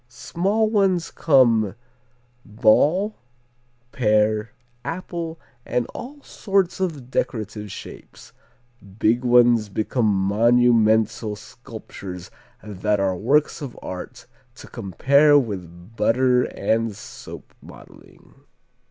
Small ones come ball, pear, apple, and all sorts of decorative shapes, big ones become monumental sculptures that are works of art to compare with butter and soap modeling.